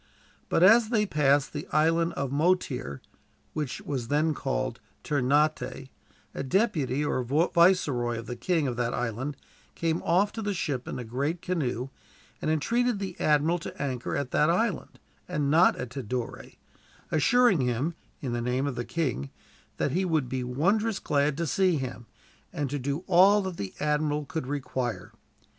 But as they passed the Island of Motir, which was then called Ternate, a deputy, or viceroy, of the king of that island came off to the ship in a great canoe, and entreated the admiral to anchor at that island, and not at Tidore; assuring him, in the name of the king, that he would be wondrous glad to see him, and to do all that the admiral could require.